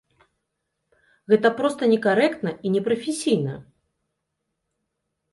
Гэта проста некарэктна і непрафесійна.